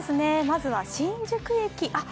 まずは新宿駅。